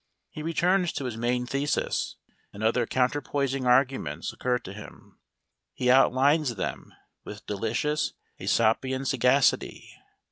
He returns to his main thesis, and other counterpoising arguments occur to him. He outlines them, with delicious Æsopian sagacity.